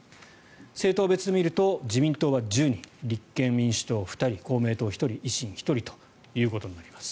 政党別で見ると自民党は１０人立憲民主党２人公明党１人維新１人となります。